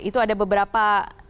itu ada beberapa